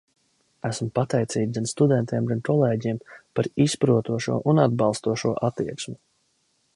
Esmu pateicīga gan studentiem, gan kolēģiem par izprotošo un atbalstošo attieksmi.